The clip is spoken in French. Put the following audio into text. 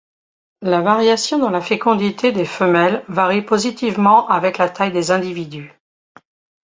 La variation dans la fécondité des femelles varie positivement avec la taille des individus.